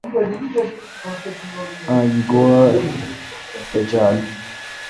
آج گوا پچال۔